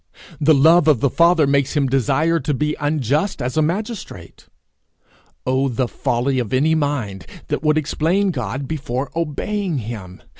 The love of the father makes him desire to be unjust as a magistrate! Oh the folly of any mind that would explain God before obeying him!